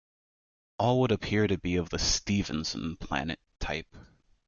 All would appear to be of the Stephenson "Planet" type.